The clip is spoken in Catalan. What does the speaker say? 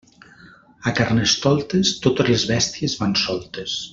A Carnestoltes totes les bèsties van soltes.